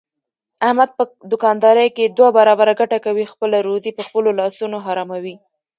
احمد په دوکاندارۍ کې دوه برابره ګټه کوي، خپله روزي په خپلو لاسونو حراموي.